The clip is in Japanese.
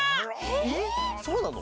えっそうなの？